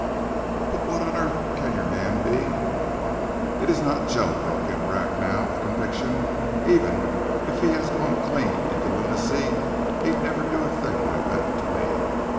"But what on earth can your man be " "It is not Joe," broke in Bracknell with conviction. "Even if he has gone clean into lunacy he'd never do a thing like that to me.